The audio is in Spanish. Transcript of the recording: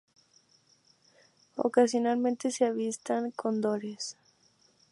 Ocasionalmente se avistan cóndores.